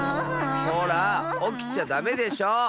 ほらおきちゃダメでしょ！